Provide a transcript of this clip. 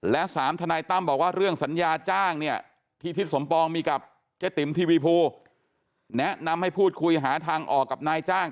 และ๓ทนายตั้มบอกว่าเรื่องสัญญาจ้างเนี่ยที่ทิศสมปองมีกับเจ๊ติ๋มทีวีภูแนะนำให้พูดคุยหาทางออกกับนายจ้าง